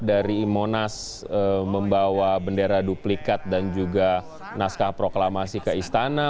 dari monas membawa bendera duplikat dan juga naskah proklamasi ke istana